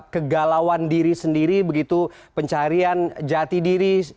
kegalauan diri sendiri begitu pencarian jati diri